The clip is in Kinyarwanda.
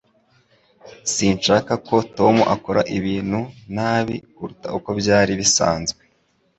Sinshaka ko Tom akora ibintu nabi kuruta uko byari bisanzwe